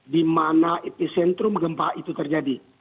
di mana epicentrum gempa itu terjadi